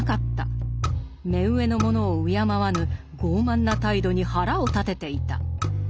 目上の者を敬わぬ傲慢な態度に腹を立てていた。